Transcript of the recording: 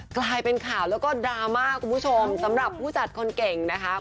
กลายเป็นข่าวแล้วก็ดราม่าคุณผู้ชมสำหรับผู้จัดคนเก่งนะคะ